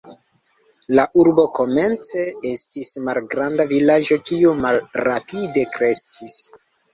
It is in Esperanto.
La urbo komence estis malgranda vilaĝo kiu malrapide kreskis.